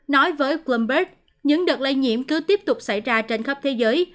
nói với quomberg những đợt lây nhiễm cứ tiếp tục xảy ra trên khắp thế giới